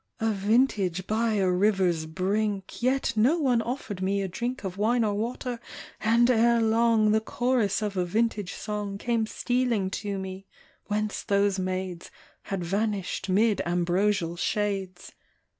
A vintage by a river's brink, Yet no one offered me a drink Of wine or water, and ere long The chorus of a vintage song Came stealing to me, whence those maids Had vanished 'mid ambrosial shades.